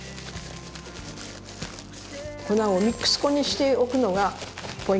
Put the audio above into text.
粉をミックス粉にしておくのがポイントです。